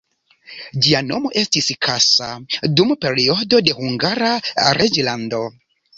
Ĝia nomo estis Kassa dum periodo de Hungara reĝlando.